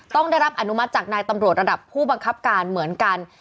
ต้องได้รับอนุมัติจากนายตำรวจระดับผู้บังคับการเหมือนกัน